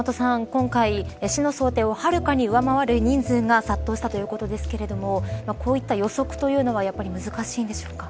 今回市の想定をはるかに上回る人数が殺到としたということですけれどもこういった予測というのはやっぱり難しいんでしょうか。